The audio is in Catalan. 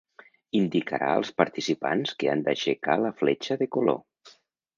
Indicarà als participants que han d’aixecar la fletxa de color.